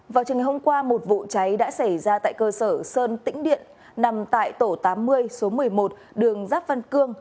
vào trường ngày hôm qua một vụ cháy đã xảy ra tại cơ sở sơn tĩnh điện nằm tại tổ tám mươi số một mươi một đường giáp văn cương